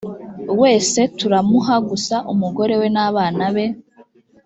wese turamuha gusa umugore we n abana be